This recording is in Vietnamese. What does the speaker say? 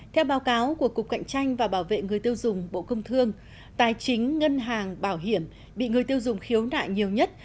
theo báo cáo của cục cạnh tranh và bảo vệ người tiêu dùng bộ công thương tài chính ngân hàng bảo hiểm bị người tiêu dùng khiếu nại nhiều nhất